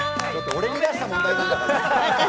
俺に出した問題だから。